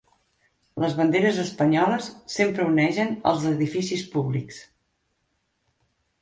Les banderes espanyoles sempre onegen als edificis públics